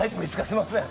すいません。